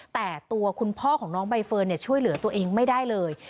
แต่ตัวคุณพ่อของน้องใบเฟิร์นช่วยเหลือตัวเองไม่ได้เลย